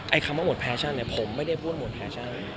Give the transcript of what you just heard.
คำว่าหมดแฟชั่นเนี่ยผมไม่ได้พูดหมดแฟชั่น